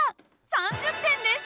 ３０点です！